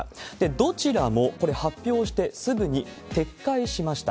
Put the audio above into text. どちらもこれ、発表してすぐに撤回しました。